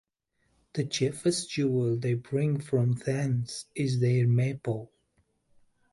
The chiefest jewel they bring from thence is their Maypole.